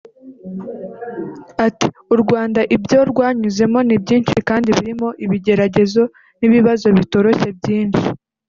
Ati ”U Rwanda ibyo rwanyuzemo ni byinshi kandi birimo ibigeragezo n’ibibazo bitoroshye byinshi